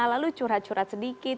lalu curhat curhat sedikit